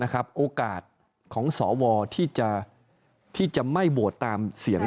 นะครับโอกาสของสอวอที่จะไม่โบสถ์ตามเสียง